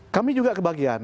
kami juga kebagian